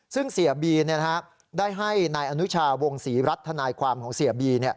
ซึ่งเสียบีได้ให้นายอนุชาวงศรีรัฐทนายความของเสียบี